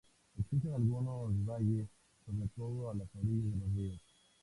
Existen algunos valles, sobre todo a las orillas de los ríos.